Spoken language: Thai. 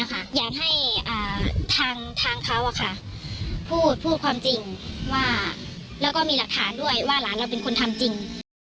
อยากให้ทางเขาพูดความจริงว่าแล้วก็มีหลักฐานด้วยว่าหลานเราเป็นคนทำจริง